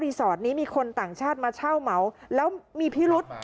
สอดนี้มีคนต่างชาติมาเช่าเหมาแล้วมีพิรุษ